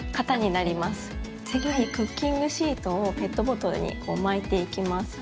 次にクッキングシートをペットボトルに巻いていきます。